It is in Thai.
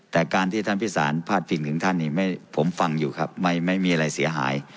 แต่การที่ท่านพิสารพาดพิงถึงท่านผมฟังอยู่ครับไม่มีอะไรเสียหาย